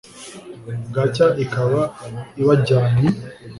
bwacya ikaba ibajyanye